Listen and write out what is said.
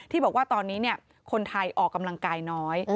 บอกว่าตอนนี้คนไทยออกกำลังกายน้อย